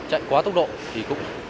chạy quá tốc độ thì cũng